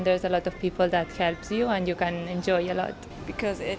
dan banyak orang yang membantu dan kalian bisa menikmati banyak